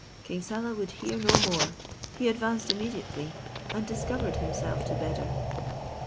King Saleh would hear no more; he advanced immediately, and discovered himself to Beder.